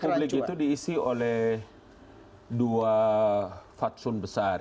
ruang publik itu diisi oleh dua faksun besar